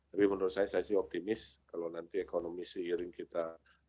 tapi menurut saya saya sih optimis kalau nanti ekonomi seiring kita